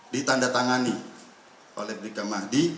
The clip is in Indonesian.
ditanda tangani oleh bribka mahdi